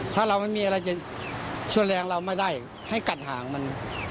ถ้าเราไม่มีอะไรจะช่วยแรงเราไม่ได้ให้กัดหางมัน